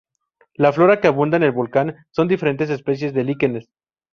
La flora que abunda en el volcán son diferentes especies de líquenes.